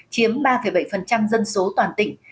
chiếm ba bảy dân số toàn tỉnh